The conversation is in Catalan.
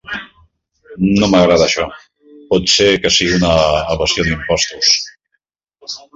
No m'agrada això. Pot ser que sigui una evasió d'impostos.